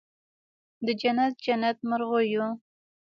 د جنت، جنت مرغېو